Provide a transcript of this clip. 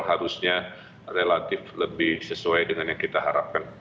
harusnya relatif lebih sesuai dengan yang kita harapkan